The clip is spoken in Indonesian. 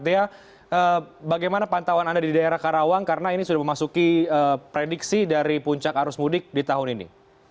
dea bagaimana pantauan anda di daerah karawang karena ini sudah memasuki prediksi dari puncak arus mudik di tahun ini